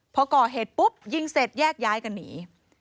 พอก่อเหตุปุ๊บยิงเสร็จแยกย้ายกันหนี